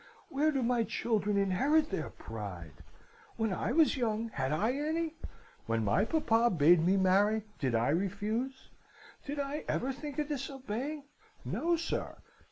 Where do my children inherit their pride? When I was young, had I any? When my papa bade me marry, did I refuse? Did I ever think of disobeying? No, sir.